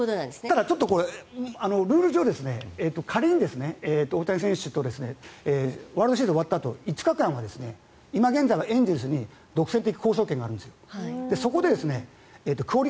ただ、ルール上仮に大谷選手とワールドシリーズが終わったあと５日間は今現在のエンゼルスに独占的拘束権があるんですよ。